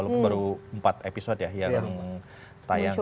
itu empat episode ya yang tayang